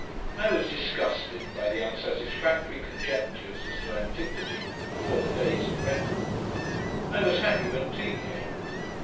I was disgusted by the unsatisfactory conjectures as to antiquity, before the days of record. I was happy when tea came.